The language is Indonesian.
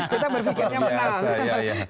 kita berpikirnya menang